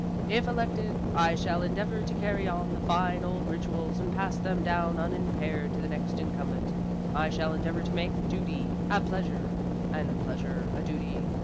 If elected, I shall endeavor to carry on the fine old rituals and pass them down unimpaired to the next incumbent. I shall endeavor to make duty a pleasure, and pleasure a duty.